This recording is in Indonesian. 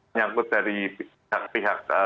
menyangkut dari pihak pihak